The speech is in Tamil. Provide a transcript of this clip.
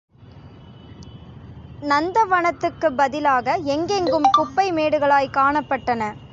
நந்தவனத்துக்குப் பதிலாக எங்கெங்கும் குப்பைமேடுகளாய் காணப்பட்டன.